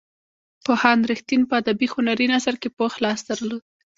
پوهاند رښتین په ادبي هنري نثر کې پوخ لاس درلود.